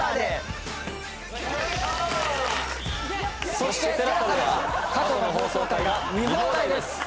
そしてＴＥＬＡＳＡでは過去の放送回が見放題です！